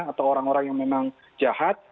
atau orang orang yang memang jahat